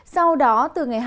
sau đó từ ngày hai mươi ba